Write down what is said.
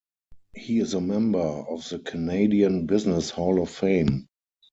He is a member of the Canadian Business Hall of Fame.